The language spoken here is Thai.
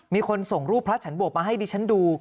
มีคนส่งรูปพระฉันบวกมาให้ดิฉันดู